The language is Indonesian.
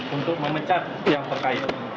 untuk memecah yang terkait